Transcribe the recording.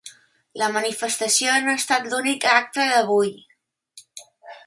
La manifestació no ha estat l’únic acte d’avui.